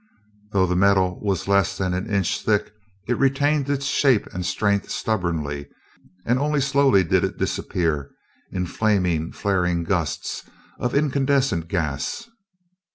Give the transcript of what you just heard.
Though the metal was less than an inch think, it retained its shape and strength stubbornly, and only slowly did it disappear in flaming, flaring gusts of incandescent gas.